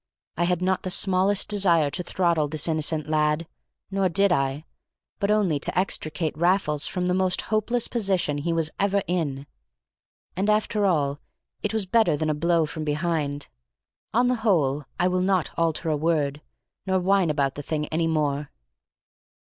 I had not the smallest desire to throttle this innocent lad (nor did I), but only to extricate Raffles from the most hopeless position he was ever in; and after all it was better than a blow from behind. On the whole, I will not alter a word, nor whine about the thing any more.